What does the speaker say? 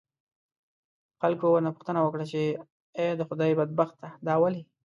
خلکو ورنه پوښتنه وکړه، چې آ د خدای بدبخته دا ولې؟